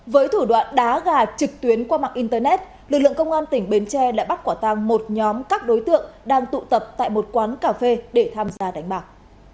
với thủ đoạn đá gà trực tuyến qua mạng internet lực lượng công an tỉnh bến tre đã bắt quả tàng một nhóm các đối tượng đang tụ tập tại một quán cà phê để tham gia đánh bạc